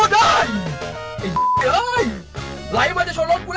คีย์จะไหลหรอ